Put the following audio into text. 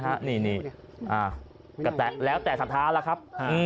ได้แล้วแต่สัตว์ค้าแล้วครับ